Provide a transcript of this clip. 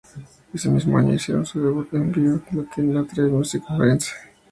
Ese mismo año hicieron su debut en vivo en la "Latin Alternative Music Conference".